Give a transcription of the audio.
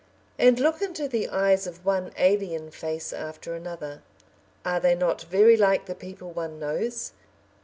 ] and look into the eyes of one alien face after another. Are they not very like the people one knows?